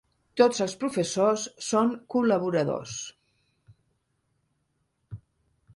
Tots els professors són col·laboradors.